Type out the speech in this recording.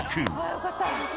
よかった。